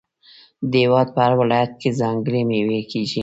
د هیواد په هر ولایت کې ځانګړې میوې کیږي.